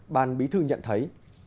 ban bí thư nhận thấy